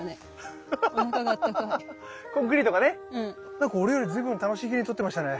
なんか俺より随分楽しげに撮ってましたね。